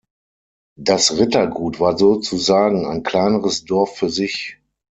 Das Rittergut war sozusagen ein kleines Dorf für sich.